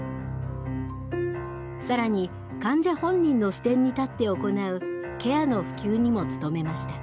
更に患者本人の視点に立って行うケアの普及にも努めました。